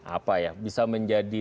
apa ya bisa menjadi